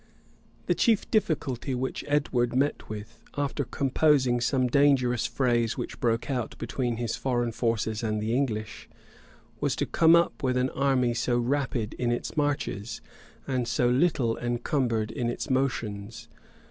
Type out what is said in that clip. The chief difficulty which Edward met with, after composing some dangerous frays which broke out between his foreign forces and the English,[*] was to come up with an army so rapid in its marches, and so little encumbered in its motions.